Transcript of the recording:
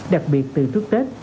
đặc biệt từ trước tết